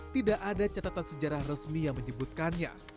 tidak ada catatan sejarah resmi yang menyebutkannya